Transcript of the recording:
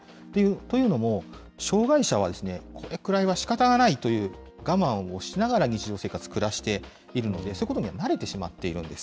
というのも、障害者は、これくらいはしかたがないという我慢をしながら、日常生活を暮らしているので、そういうことには慣れてしまっているんです。